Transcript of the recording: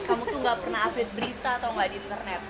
kamu tuh gak pernah update berita atau nggak di internet